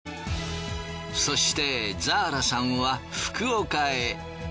そしてザーラさんは福岡へ。